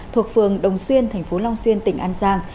thuộc phường đồng xuyên tp long xuyên tỉnh an giang